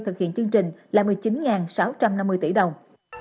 thực hiện chương trình là một mươi chín sáu trăm năm mươi tỷ đồng